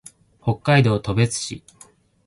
北海道登別市